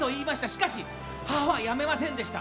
しかし、母はやめませんでした。